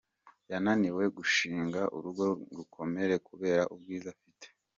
yananiwe gushinga urugo ngo rukomere kubera ubwiza afite